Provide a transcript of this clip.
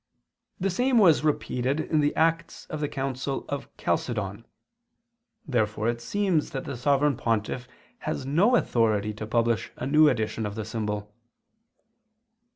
] The same was repeated in the acts of the council of Chalcedon (P. ii, Act. 5). Therefore it seems that the Sovereign Pontiff has no authority to publish a new edition of the symbol.